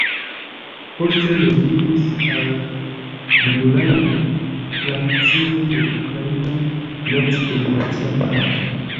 Poste membriĝis al Junulara Frakcio de Ukraina Naci-Demokratia Partio.